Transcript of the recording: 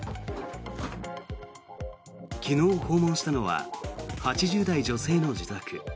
昨日訪問したのは８０代女性の自宅。